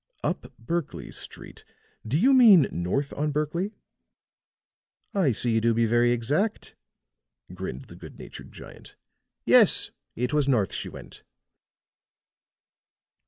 "Up Berkley Street? Do you mean north on Berkley?" "I see you do be very exact," grinned the good natured giant. "Yes; it was north she went."